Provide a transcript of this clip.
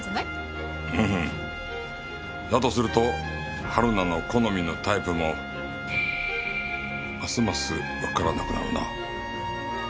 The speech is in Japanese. うんだとすると春菜の好みのタイプもますますわからなくなるな。